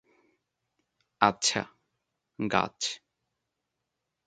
আচ্ছা, গাছ।